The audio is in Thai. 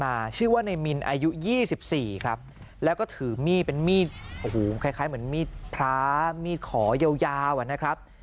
ชื่อว่าในมินอายุยี่สิบสี่ครับแล้วก็ถือมีดเป็นมีดโอ้โหคล้ายคล้ายเหมือนมีดพระมีดขอยาวยาวอ่ะนะครับ